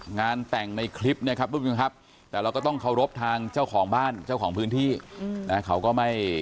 งานแต่งในคลิปนะครับท่านผู้ชมครับ